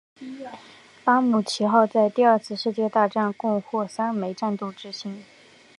拉姆齐号在第二次世界大战共获三枚战斗之星。